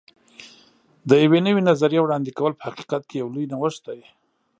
د یوې نوې نظریې وړاندې کول په حقیقت کې یو لوی نوښت دی.